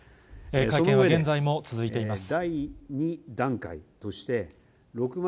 会見は現在も続いています。